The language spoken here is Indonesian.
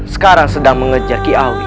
sekarang sedang mengejaki awin